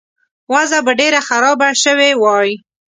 وضع به ډېره خرابه شوې وای.